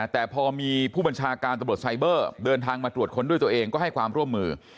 แต่พอมีผู้บัญชาการตำรวจไซเบอร์เดินทางมาตรวจค้นด้วยตัวเองก็ให้ความร่วมมือ